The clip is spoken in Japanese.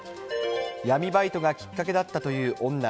闇バイトがきっかけだったという女。